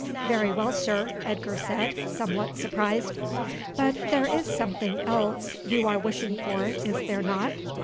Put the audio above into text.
"Very well, sir," Edgar said, somewhat surprised. "But there is something else you are wishing for, is there not?